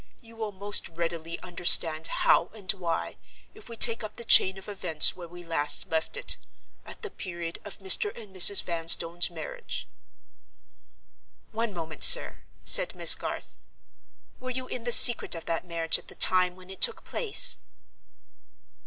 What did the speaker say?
You will most readily understand how and why, if we take up the chain of events where we last left it—at the period of Mr. and Mrs. Vanstone's marriage." "One moment, sir," said Miss Garth. "Were you in the secret of that marriage at the time when it took place?"